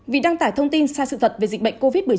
vì đăng tải thông tin sai sự thật về dịch bệnh covid một mươi chín